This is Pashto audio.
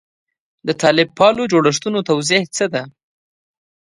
د طالب پالو جوړښتونو توضیح څه ده.